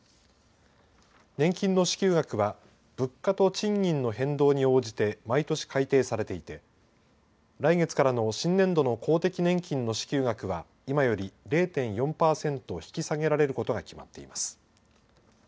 年金の支給額は、物価と賃金の変動に応じて毎年改定されていて、来月からの新年度の公的年金の支給額は、今より０．４％引き下げられることが決まっています。